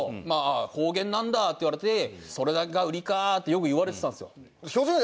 まあ「方言なんだ」って言われて「それだけが売りか」ってよく言われてたんですよ。